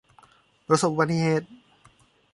ประสบอุบัติเหตุ